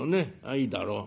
いいだろう」。